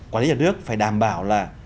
quản lý nhà nước phải đảm bảo là